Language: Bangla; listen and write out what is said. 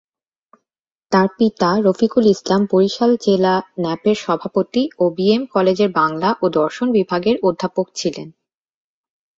তার পিতা রফিকুল ইসলাম বরিশাল জেলা ন্যাপের সভাপতি ও বিএম কলেজের বাংলা ও দর্শন বিভাগের অধ্যাপক ছিলেন।